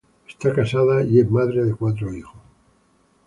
Está casada y es madre de cuatro hijos.